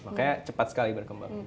makanya cepat sekali berkembang